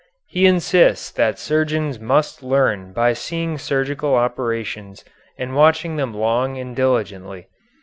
He insists that surgeons must learn by seeing surgical operations and watching them long and diligently.